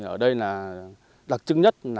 ở đây là đặc trưng nhất